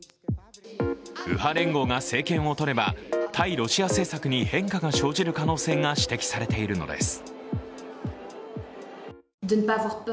右派連合が政権を取れば、対ロシア政策に変化が生じる可能性が指摘されているのです。